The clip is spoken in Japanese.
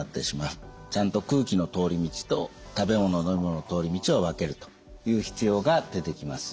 ちゃんと空気の通り道と食べ物飲み物の通り道を分けるという必要が出てきます。